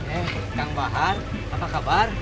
oke kang bahar apa kabar